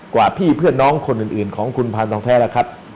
กว่าพี่เพื่อนน้องคนอื่นของคุณพานทองแท้แล้วครับ